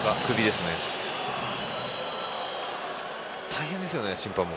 大変ですよね、審判も。